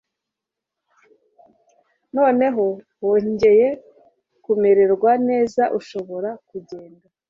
Noneho ko wongeye kumererwa neza urashobora kugenda